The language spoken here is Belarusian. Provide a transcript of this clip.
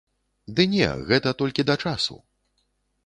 Ды не, гэта толькі да часу.